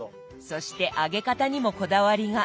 そして揚げ方にもこだわりが。